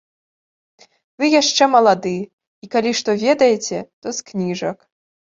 Вы яшчэ малады, і калі што ведаеце, то з кніжак.